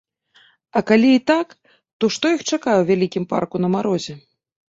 А калі і так, то што іх чакае ў вялікім парку на марозе?